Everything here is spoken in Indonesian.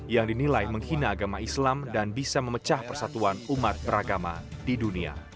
yang dinilai menghina agama islam dan bisa memecah persatuan umat beragama di dunia